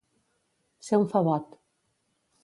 Ser un favot.